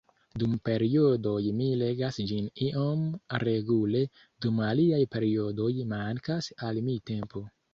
Dum periodoj mi legas ĝin iom regule, dum aliaj periodoj mankas al mi tempo.